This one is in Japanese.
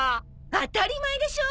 当たり前でしょ！